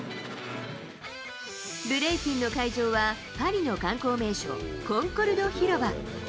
ブレイキンの会場は、パリの観光名所、コンコルド広場。